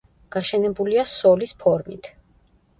გაშენებულია სოლის ფორმით.